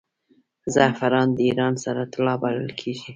زعفران د ایران سره طلا بلل کیږي.